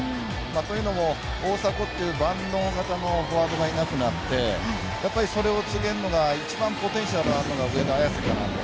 というのも大迫という万能型のフォワードがいなくなってそれを継げるのが一番ポテンシャルのあるのが上田綺世かなと。